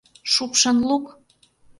— Шупшын лук!